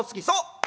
「そう！